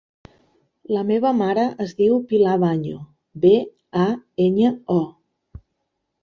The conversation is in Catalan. La meva mare es diu Pilar Baño: be, a, enya, o.